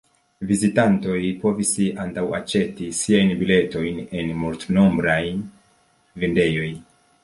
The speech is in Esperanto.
Vizitantoj povis antaŭ-aĉeti siajn biletojn en multnombraj vendejoj.